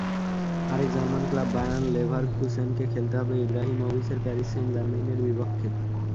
আরেক German club Bayern লেভারকুসেনকে খেলতে হবে ইব্রাহিমোভিচের প্যারিস সেইন্ট জার্মেইনের বিপক্ষে।